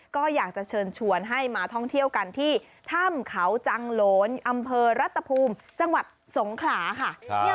ก็อยากจะเชิญชวนให้มาท่องเที่ยวกันที่ถ้ำเขาจังโหลนอำเภอรัตภูมิจังหวัดสงขลาค่ะ